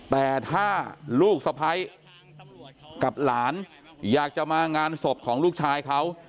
แต่ถ้าลูกสะพ้ายกับหลานอยากจะมางานศพของลูกชายเขา